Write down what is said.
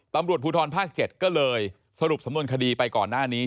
ตำรวจภูทรภาค๗ก็เลยสรุปสำนวนคดีไปก่อนหน้านี้